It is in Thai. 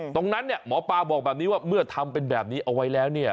ตรงนั้นเนี่ยหมอปลาบอกแบบนี้ว่าเมื่อทำเป็นแบบนี้เอาไว้แล้วเนี่ย